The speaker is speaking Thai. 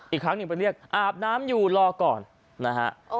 อีกครั้งหนึ่งไปเรียกอาบน้ำอยู่รอก่อนนะฮะ